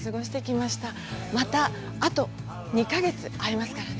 また、あと２か月ありますからね。